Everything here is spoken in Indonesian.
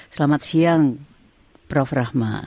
selamat siang prof rahma